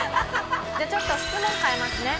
じゃあちょっと質問変えますね。